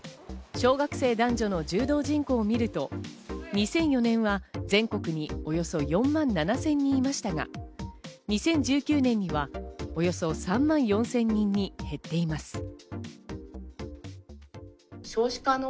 小学生男女の柔道人口を見ると、２００４年は全国におよそ４万７０００人いましたが２０１９年にはおよそ３万４０００人に減っています。